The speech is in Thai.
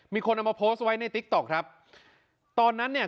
มีคนเอามาโพสต์ไว้ในติ๊กต๊อกครับตอนนั้นเนี่ย